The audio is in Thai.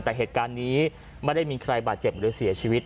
แต่เหตุการณ์นี้ไม่ได้มีใครบาดเจ็บหรือเสียชีวิต